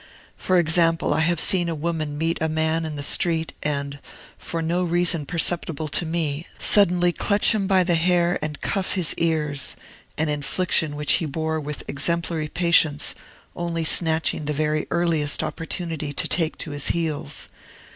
For example, I have seen a woman meet a man in the street, and, for no reason perceptible to me, suddenly clutch him by the hair and cuff his ears, an infliction which he bore with exemplary patience, only snatching the very earliest opportunity to take to his heels.